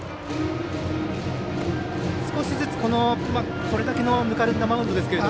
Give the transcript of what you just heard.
少しずつ、これだけのぬかるんだマウンドですけど。